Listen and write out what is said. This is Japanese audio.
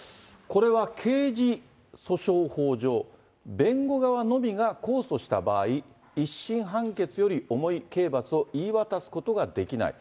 これは刑事訴訟法上、弁護側のみが控訴した場合、１審判決より重い刑罰を言い渡すことができない。